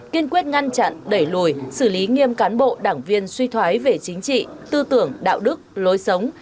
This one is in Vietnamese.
kiên quyết ngăn chặn đẩy lùi xử lý nghiêm cán bộ đảng viên suy thoái về chính trị tư tưởng đạo đức lối sống